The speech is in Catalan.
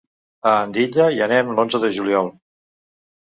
A Andilla hi anem l'onze de juliol.